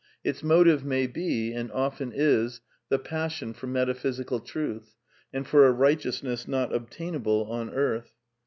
Its motive may be, and often is, the passion for metaphysical truth and for a righteousness not obtainable on earth.